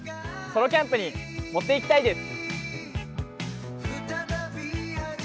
ソロキャンプに持っていきたいです。